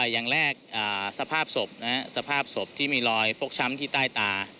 อย่างแรกสภาพศพสภาพศพที่มีรอยฟกช้ำที่ใต้ตา